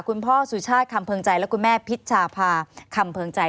คุณพ่อสุชาติคำเพิงใจและคุณแม่พิชชาพาคำเพิงใจ